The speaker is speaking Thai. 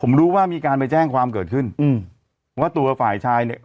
ผมรู้ว่ามีการไปแจ้งความเกิดขึ้นอืมว่าตัวฝ่ายชายเนี่ย